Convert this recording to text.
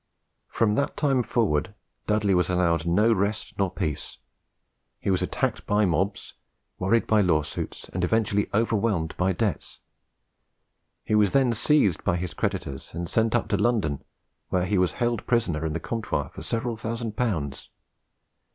From that time forward Dudley was allowed no rest nor peace: he was attacked by mobs, worried by lawsuits, and eventually overwhelmed by debts. He was then seized by his creditors and sent up to London, where he was held a prisoner in the Comptoir for several thousand pounds.